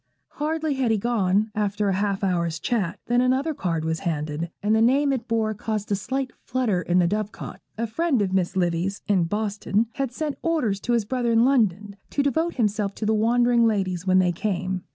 Hardly had he gone, after a half hour's chat, than another card was handed, and the name it bore caused a slight flutter in the dove cot. A friend of Miss Livy's, in Boston, had sent orders to his brother in London to devote himself to the wandering ladies when they came.